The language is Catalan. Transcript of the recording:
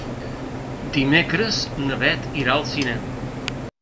Dimecres na Beth irà al cinema.